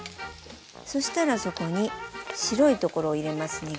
そしたらそこに白いところを入れます